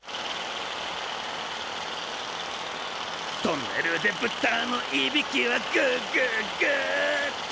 トンネルでぶたのいびきはグーグーグーっと。